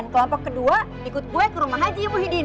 kelompok kedua ikut gue kerumah haji muhyiddin